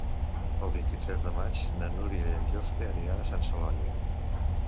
El vint-i-tres de maig na Núria i en Jofre aniran a Sant Celoni.